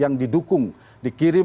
yang didukung dikirim